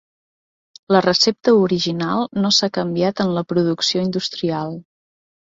La recepta original no s'ha canviat en la producció industrial.